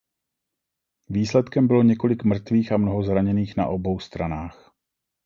Výsledkem bylo několik mrtvých a mnoho zraněných na obou stranách.